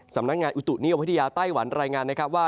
สำนักงานอุตุเนียวพิทยาไต้หวันรายงานว่า